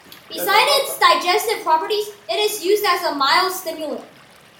Besides its digestive properties, it is used as a mild stimulant.